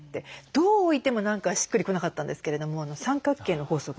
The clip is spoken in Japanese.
どう置いても何かしっくり来なかったんですけれども三角形の法則ですか。